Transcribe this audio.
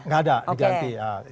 gak ada diganti